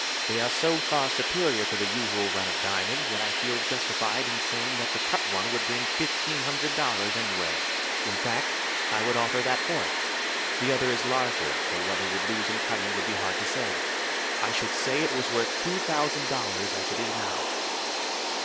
"They are so far superior to the usual run of diamonds, that I feel justified in saying that the cut one would bring fifteen hundred dollars, anywhere. In fact, I would offer that for it. The other is larger, though what it would lose in cutting would be hard to say. I should say it was worth two thousand dollars as it is now."